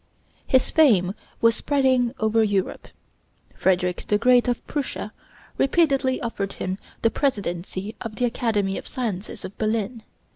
His fame was spreading over Europe. Frederick the Great of Prussia repeatedly offered him the presidency of the Academy of Sciences of Berlin.